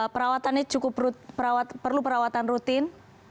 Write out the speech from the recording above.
perawatannya cukup perlu perawatan rutin